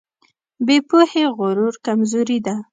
بې پوهې غرور کمزوري ده.